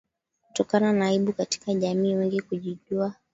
kutokana na aibu katika jamii wengi kujijua